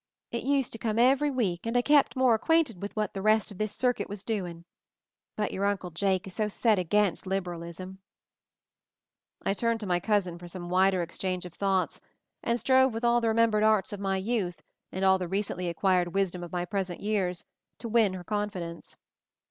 It used to come every week, and I kept more acquainted with what the rest of this circuit was doing. But your Uncle Jake is so set against liberalism!" I turned to my cousin for some wider ex MOVING THE MOUNTAIN 287 change of thoughts, and strove with all the remembered arts of my youth, and all the recently acquired wisdom of my present years, to win her confidence.